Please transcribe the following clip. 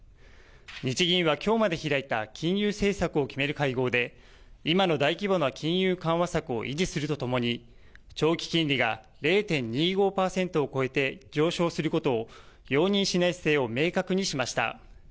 日銀はきょうまで開いた金融政策を決める会合で今の大規模な金融緩和策を維持するとともに長期金利が０．２５％を超えて上昇することを容認しない姿勢を明確にしました。